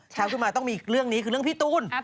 ขึ้นมาต้องมีเรื่องนี้คือเรื่องพี่ตูน